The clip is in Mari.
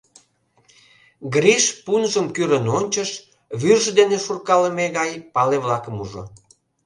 Гриш пунжым кӱрын ончыш, вӱрж дене шуркалыме гай пале-влакым ужо.